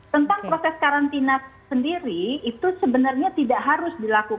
tentang proses karantina sendiri itu sebenarnya tidak harus dilakukan